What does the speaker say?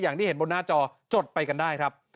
อย่างที่เห็นบนหน้าจอจดไปกันได้ครับ